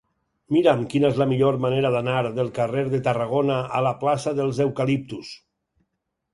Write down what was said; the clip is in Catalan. Mira'm quina és la millor manera d'anar del carrer de Tarragona a la plaça dels Eucaliptus.